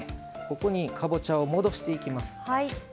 ここにかぼちゃを戻していきます。